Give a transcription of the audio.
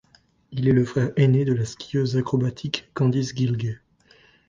Il est le frère aîné de la skieuse acrobatique Candice Gilg.